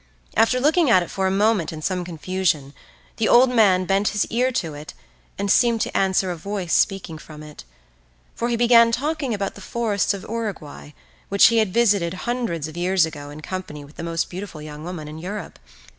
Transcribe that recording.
After looking at it for a moment in some confusion the old man bent his ear to it and seemed to answer a voice speaking from it, for he began talking about the forests of Uruguay which he had visited hundreds of years ago in company with the most beautiful young woman in Europe.